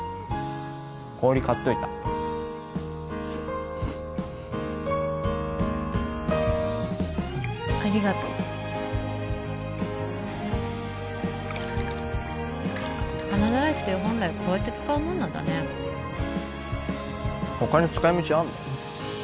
氷買っといたありがとう金だらいって本来こうやって使うもんなんだねほかに使い道あんの？